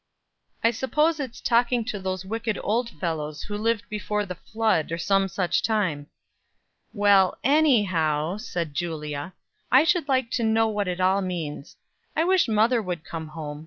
"I suppose it's talking to those wicked old fellows who lived before the flood, or some such time." "Well, _any_how," said Julia, "I should like to know what it all means. I wish mother would come home.